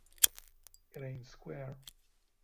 It Ain't Square.